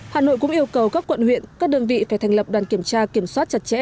hà nội cũng yêu cầu các quận huyện các đơn vị phải thành lập đoàn kiểm tra kiểm soát chặt chẽ